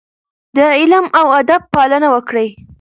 د علم او ادب پالنه وکړئ.